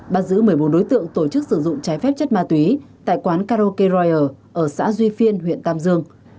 bắt giữ một mươi bốn đối tượng tổ chức sử dụng trái phép chất ma túy tại quán karaoke riyer ở xã duy phiên huyện tam dương